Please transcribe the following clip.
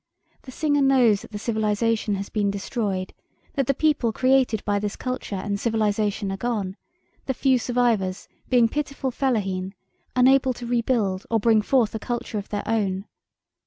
The singer knows that the civilization has been destroyed; that the people created by this culture and civilization are gone, the few survivors being pitiful fellaheen, unable to rebuild or bring forth a culture of their own.